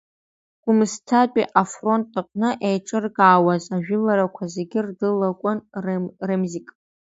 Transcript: Гәымсҭатәи афронт аҟны еиҿыркаауаз ажәыларақәа зегьы дрылахәын Ремзик.